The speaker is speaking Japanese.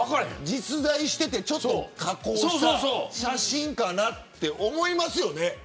実在しているちょっと加工した写真かなと思いますよね。